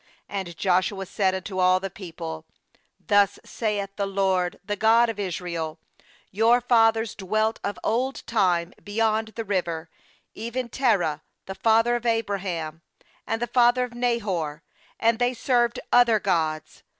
2And Joshua said unto all the people: 'Thus saith the LORD, the God of Israel: Your fathers dwelt of old time beyond the River, even Terah, the father of Abraham, and the father of Nahor; and they served other gods.